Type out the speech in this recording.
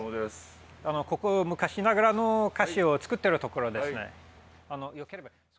ここ昔ながらの菓子を作ってるところですね？